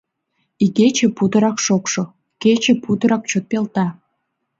Игече путырак шокшо, кече путырак чот пелта.